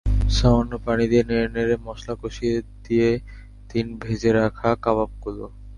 সামান্য পানি দিয়ে নেড়ে নেড়ে মসলা কষিয়ে দিয়ে দিন ভেজে রাখা কাবাবগুলো।